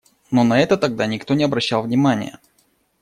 Но на это тогда никто не обращал внимание.